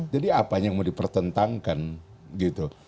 jadi apanya yang mau dipertentangkan gitu